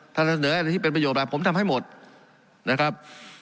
ท่านเสนออะไรที่เป็นประโยชนไปผมทำให้หมดนะครับ